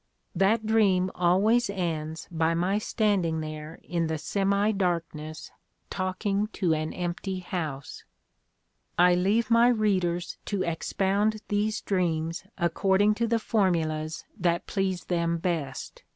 That dream always ends by my standing there in the semi darkness talking to an empty house." I leave my readers to expound these dreams according to the formulas that please them best.